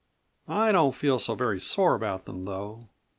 I don't feel so very sore about them though.